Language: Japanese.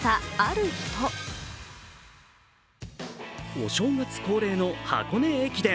お正月恒例の箱根駅伝。